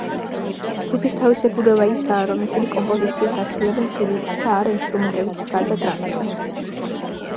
ჯგუფის თავისებურება ისაა, რომ ისინი კომპოზიციებს ასრულებენ პირით და არა ინსტრუმენტებით გარდა დრამისა.